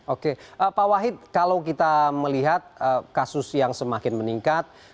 oke pak wahid kalau kita melihat kasus yang semakin meningkat